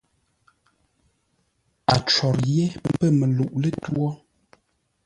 A cwor yé pə̂ məluʼ lətwǒ.